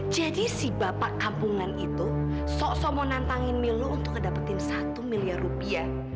jadi si bapak kampungan itu sok sok mau nantangin milo untuk ngedapetin satu miliar rupiah